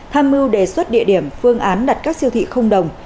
tham mưu đề xuất địa điểm phương án đặt các siêu thị không đồng